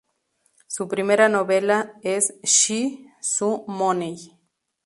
Su primera novela es She's So Money.